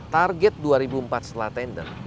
target dua ribu empat setelah tender itu harus berapa